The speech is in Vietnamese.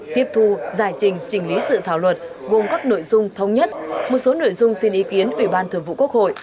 tiếp thu giải trình chỉnh lý sự thảo luật gồm các nội dung thông nhất một số nội dung xin ý kiến ủy ban thường vụ quốc hội